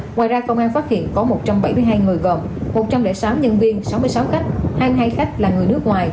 ngoài ra công an phát hiện có một trăm bảy mươi hai người gồm một trăm linh sáu nhân viên sáu mươi sáu khách hai mươi hai khách là người nước ngoài